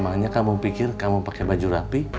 emangnya kamu pikir kamu pake baju rapi